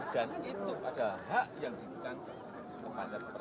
dan itu adalah hak yang diberikan kepada presiden dalam undang undang dasar